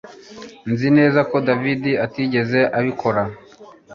Nzi neza ko David atigeze abikora